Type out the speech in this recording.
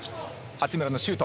八村のシュート！